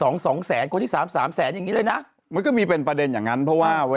โรงพยาบาลพันธ์ทางนั่ง๙